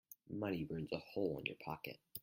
Money burns a hole in your pocket.